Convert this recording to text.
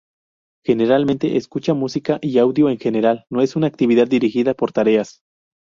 Generalmente, escuchar música y audio en general no es una actividad dirigida por tareas.